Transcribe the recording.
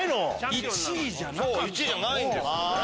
そう１位じゃないんです。